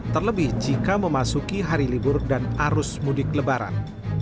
terlebih jika memasuki hari libur dan arus mudik lebaran